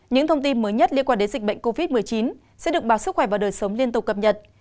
những thông tin mới nhất liên quan đến dịch bệnh covid một mươi chín sẽ được báo sức khỏe và đời sống liên tục cập nhật